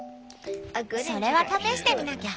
それは試してみなきゃ。